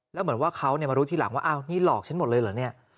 แล้วเหมือนว่าเขามารู้ทีหลังว่าอ้าวนี่หลอกฉันหมดเลยเหรอเนี่ย